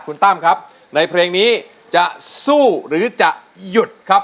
คุณตั้มครับในเพลงนี้จะสู้หรือจะหยุดครับ